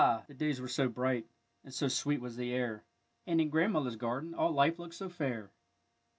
the days ^Yere so bright, and so sweet was the air, And in grandmother's garden all life looked so fair!